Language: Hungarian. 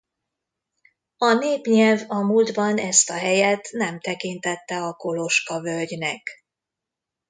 A népnyelv a múltban ezt a helyet nem tekintette a Koloska-völgynek.